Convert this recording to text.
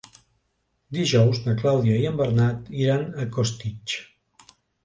Dijous na Clàudia i en Bernat iran a Costitx.